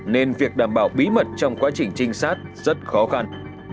nên việc đảm bảo bí mật trong quá trình trinh sát rất khó khăn